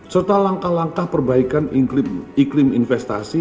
serta langkah langkah perbaikan iklim investasi